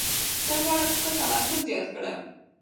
زه غواړم خپل تمرکز زیات کړم.